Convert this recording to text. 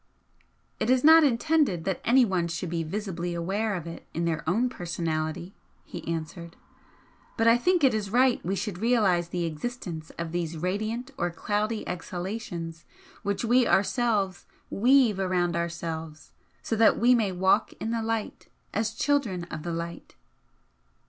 "It is not intended that anyone should be visibly aware of it in their own personality," he answered "But I think it is right we should realise the existence of these radiant or cloudy exhalations which we ourselves weave around ourselves, so that we may 'walk in the light as children of the light.'"